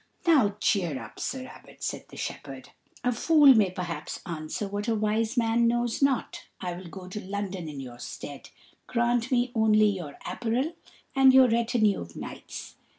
"Now, cheer up, Sir Abbot," said the shepherd. "A fool may perhaps answer what a wise man knows not. I will go to London in your stead; grant me only your apparel and your retinue of knights.